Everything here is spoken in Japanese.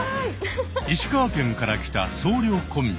石川県から来た僧侶コンビ。